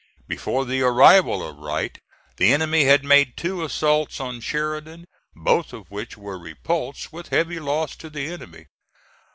Before the arrival of Wright the enemy had made two assaults on Sheridan, both of which were repulsed with heavy loss to the enemy.